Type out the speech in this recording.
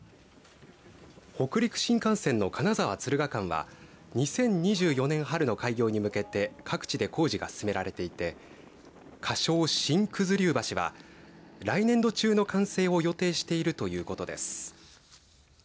北陸新幹線の金沢・敦賀間は２０２４年、春の開業に向けて各地で工事が進められていて仮称、新九頭竜橋は来年度中の完成を予定しているということです。